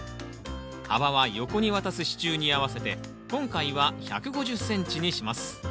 幅は横に渡す支柱に合わせて今回は１５０ｃｍにします。